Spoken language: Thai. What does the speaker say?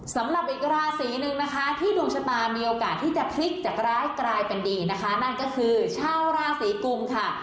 สำหรับอีกราศีหนึ่งนะคะที่ดวงชะตามีโอกาสที่จะพลิกจากร้ายกลายเป็นดีนะคะนั่นก็คือชาวราศีกุมค่ะ